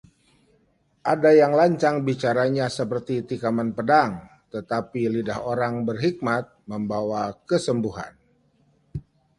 Ada yang lancang bicaranya seperti tikaman pedang, tetapi lidah orang berhikmat membawa kesembuhan.